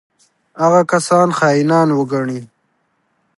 هغه کسان خاینان وګڼي.